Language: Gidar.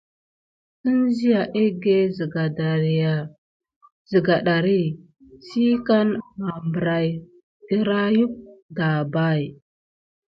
Ənzia egge zega ɗari si kan mabarain dirayuck dapay.